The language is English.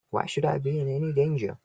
Why should I be in any danger?